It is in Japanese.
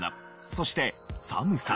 そして寒さ。